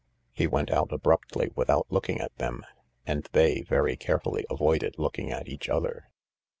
He went out abruptly without looking at them. And they very carefully avoided looking at each other.